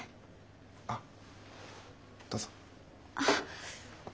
あっどうぞ。